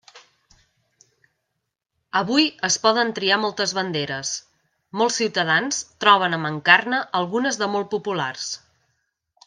Avui es poden triar moltes banderes, molts ciutadans troben a mancar-ne algunes de molt populars.